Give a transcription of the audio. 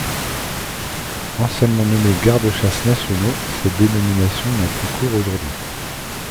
Anciennement nommés garde-chasses nationaux, cette dénomination n'a plus cours aujourd'hui.